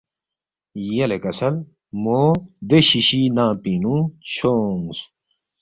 یلےکسل مو دے شِیشی ننگ پِنگ نُو چھونگس